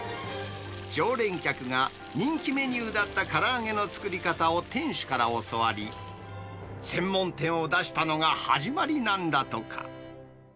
常連客が人気メニューだったから揚げの作り方を店主から教わり、専門店を出したのが始まりなんだとか。